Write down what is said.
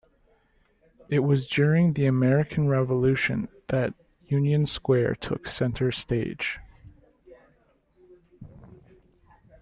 It was during the American Revolution that Union Square took center stage.